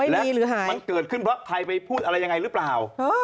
แล้วมันเกิดขึ้นเพราะใครไปพูดอะไรยังไงหรือเปล่า